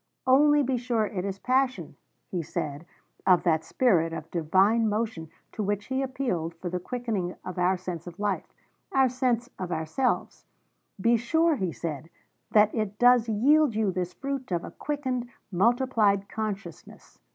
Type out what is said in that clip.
'Only be sure it is passion,' he said of that spirit of divine motion to which he appealed for the quickening of our sense of life, our sense of ourselves; be sure, he said, 'that it does yield you this fruit of a quickened, multiplied consciousness.'